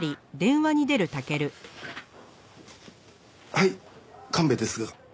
はい神戸ですが。